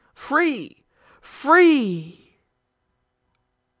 free! free!"